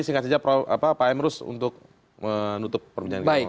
sehingga sejak pak emrus untuk menutup perbincangan kita